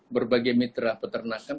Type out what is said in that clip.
berbagai mitra peternakan